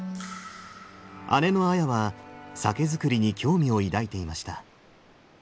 姉の綾は酒造りに興味を抱いていました。